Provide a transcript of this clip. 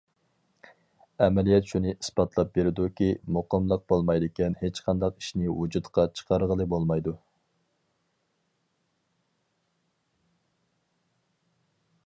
ئەمەلىيەت شۇنى ئىسپاتلاپ بېرىدۇكى، مۇقىملىق بولمايدىكەن ھېچقانداق ئىشنى ۋۇجۇدقا چىقارغىلى بولمايدۇ.